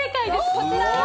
こちら。